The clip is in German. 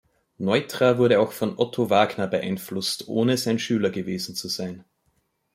Neutra wurde auch von Otto Wagner beeinflusst, ohne sein Schüler gewesen zu sein.